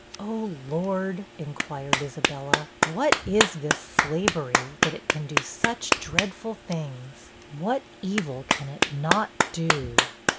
'Oh Lord,' inquired Isabella, 'what is this slavery, that it can do such dreadful things? what evil can it not do?'